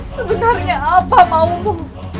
sebenarnya apa maumu